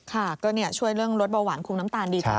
ค่ะก็ช่วยเรื่องรสเบาหวานคุมน้ำตาลดีขึ้น